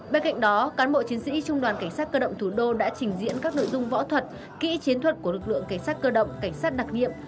bên cạnh đó cán bộ chiến sĩ trung đoàn cảnh sát cơ động thủ đô đã trình diễn các nội dung võ thuật kỹ chiến thuật của lực lượng cảnh sát cơ động cảnh sát đặc nhiệm